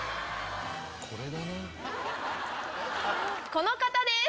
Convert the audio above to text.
この方です！